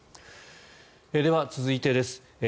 では、続いてです。